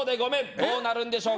どうなるんでしょうか。